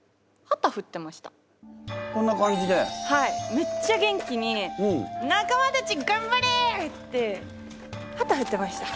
めっちゃ元気に仲間たち頑張れ！って旗振ってました。